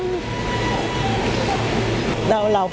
tôi phải cố gắng